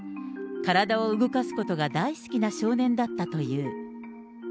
体を動かすことが大好きな少年だったという。